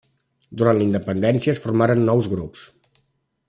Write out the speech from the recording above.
Durant la independència es formaren nous grups.